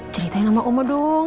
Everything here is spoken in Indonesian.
ceritain sama omah dong